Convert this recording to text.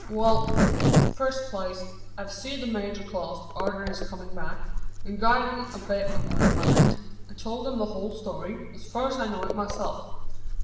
"Wal; fust place, I've seed the major clost arter his comin' back, an gied him a bit o' my mind. I tolt him the hul story, as fur's I know it myself.